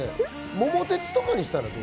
桃鉄とかにしたらどう？